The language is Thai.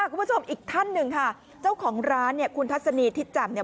คุณผู้ชมอีกท่านหนึ่งค่ะเจ้าของร้านเนี่ยคุณทัศนีทิศจำเนี่ย